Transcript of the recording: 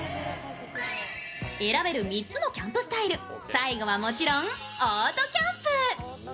選べる３つのキャンプスタイル、最後はもちろんオートキャンプ。